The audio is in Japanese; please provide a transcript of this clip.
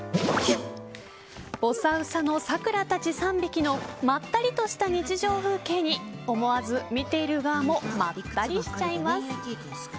ぼさうさの、さくらたち３匹のまったりとした日常風景に思わず見ている側もまったりしちゃいます。